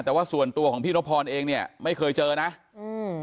แต่ว่าส่วนตัวของพี่นพรเองเนี้ยไม่เคยเจอนะอืม